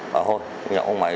bảo thôi nhậu không mày